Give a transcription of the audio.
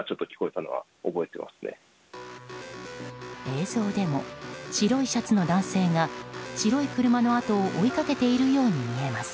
映像でも、白いシャツの男性が白い車のあとを追いかけているように見えます。